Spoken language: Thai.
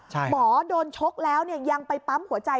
หมอโดนชกแล้วยังไปปั๊มหัวใจ